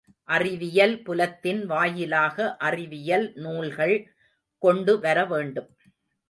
அறிவியல் புலத்தின் வாயிலாக அறிவியல் நூல்கள் கொண்டு வரவேண்டும்.